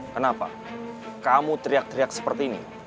kenapa kamu teriak teriak seperti ini